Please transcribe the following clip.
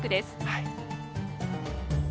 はい。